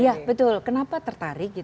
ya betul kenapa tertarik